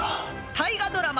大河ドラマ